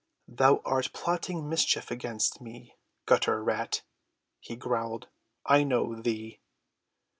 "Thou art plotting mischief against me, gutter rat," he growled, "I know thee."